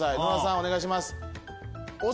お願いします。